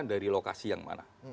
dari lokasi yang mana